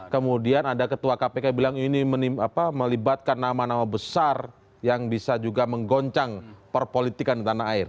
kemudian ada ketua kpk bilang ini melibatkan nama nama besar yang bisa juga menggoncang perpolitikan di tanah air